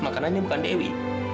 makanannya bukan dewi